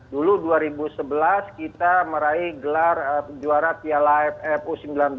dulu dua ribu sebelas kita meraih gelar juara piala ff u sembilan belas